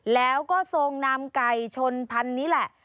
แล้วก็ทรงนำไก่ชนพันธุ์นี้แหละ